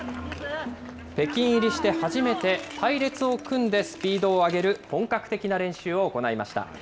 北京入りして初めて、隊列を組んでスピードを上げる本格的な練習を行いました。